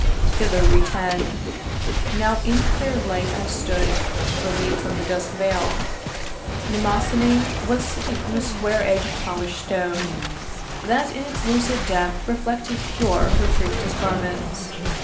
'Thither we tend.' Now in clear light I stood, Reliev'd from the dusk vale. Mnemosyne Was sitting on a square edg'd polish'd stone, That in its lucid depth reflected pure Her priestess garments.